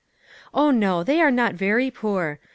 Oh, no ; they are not very poor.